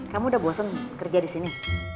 kamu udah bosen kerja disini